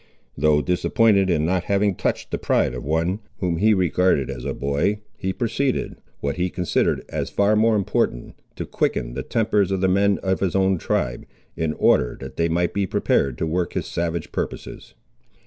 Though disappointed in not having touched the pride of one whom he regarded as a boy, he proceeded, what he considered as far more important, to quicken the tempers of the men of his own tribe, in order that they might be prepared to work his savage purposes.